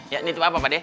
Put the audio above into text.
ya ini itu apa pak de